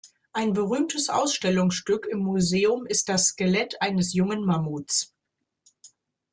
Ein berühmtes Ausstellungsstück im Museum ist das Skelett eines jungen Mammuts.